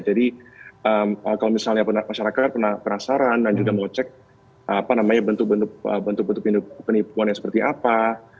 jadi kalau misalnya masyarakat pernah penasaran dan juga mau cek bentuk bentuk penipuan seperti apa